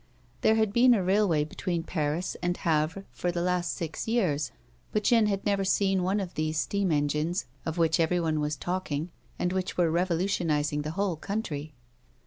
There had been a railway between Paris and Havre for the last six years, but Jeanne had never seen one of these steam engines of which everyone was talking, and which were revolutionising the whole country.